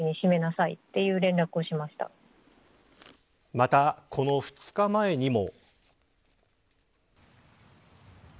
また、この２日前にも。